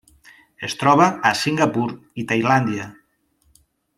Es troba a Singapur i Tailàndia.